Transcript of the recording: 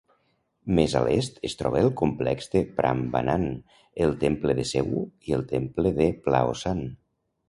Més a l'est es troba el complex de Prambanan, el temple de Sewu i el temple de Plaosan.